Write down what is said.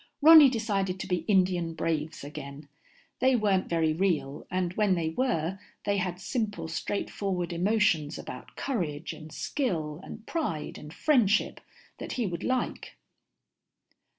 Ronny decided to be Indian braves again. They weren't very real, and when they were, they had simple straightforward emotions about courage and skill and pride and friendship that he would like.